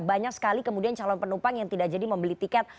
banyak sekali kemudian calon penumpang yang tidak jadi membeli tiket